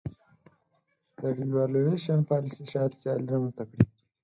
د devaluation پالیسي شاید سیالي رامنځته کړي.